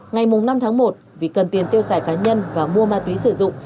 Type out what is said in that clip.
ngày năm tháng một vì cần tiền tiêu xài cá nhân và mua ma túy sử dụng